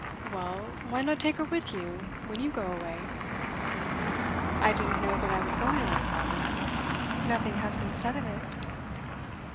'Well, why not take her with you, when you go away?' 'I didn't know that I was going away, father. Nothing has been said of it.